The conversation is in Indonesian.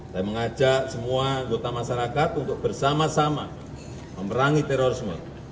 saya mengajak semua anggota masyarakat untuk bersama sama memerangi terorisme